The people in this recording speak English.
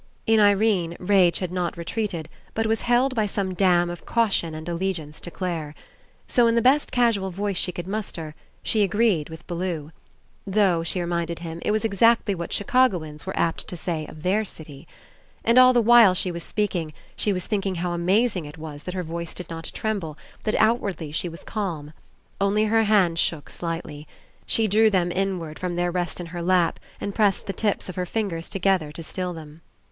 In Irene, rage had not retreated, but was held by some dam of caution and allegiance to Clare. So, in the best casual voice she could muster, she agreed with Bellew. Though, she reminded him, it was exactly what Chicagoans were apt to say of their city. And all the while 71 PASSING she was speaking, she was thinking how amaz ing it was that her voice did not tremble, that outwardly she was calm. Only her hands shook slightly. She drew them inward from their rest in her lap and pressed the tips of her fingers together to still them.